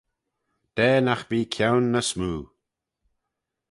Da nagh bee kione ny smoo!